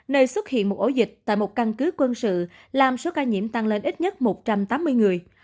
nơi xuất hiện một ổ dịch tại một căn cứ quân sự làm số ca nhiễm tăng lên ít nhất một trăm tám mươi người